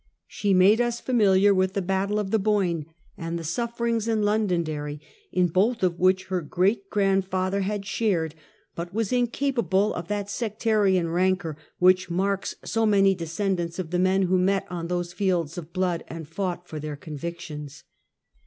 She made us fa miliar with the battle of the Boyne and the sufferings in Londonderry, in both of which her great grand father had shared, but was incapable of that sectarian rancor, which marks so many descendants of the men who met on those fields of blood and fought for their convictions.